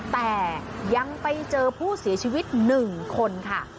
แต่ยังไปเจอผู้เสียชีวิต๑คนค่ะ